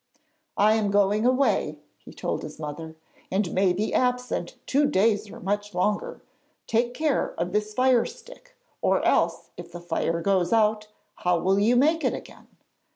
'I am going away,' he told his mother, 'and may be absent two days or much longer. Take care of this fire stick, or else if the fire goes out, how will you make it again?